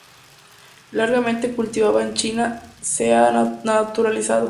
Largamente cultivada en China se ha naturalizado.